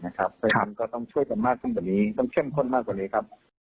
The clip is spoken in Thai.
ก็ต้องช่วยกันมากขึ้นแบบนี้ต้องเช่นข้นมากกว่านี้ครับ